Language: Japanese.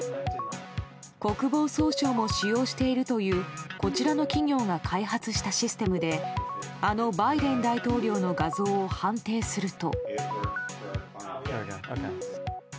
国防総省も使用しているというこちらの企業が開発したシステムであのバイデン大統領の画像を判定すると。